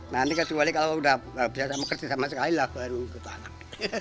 nanti kecuali kalau udah biasa bekerja sama sekali lah baru ikut anak